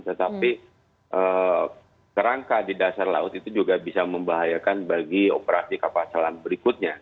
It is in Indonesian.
tetapi kerangka di dasar laut itu juga bisa membahayakan bagi operasi kapal selam berikutnya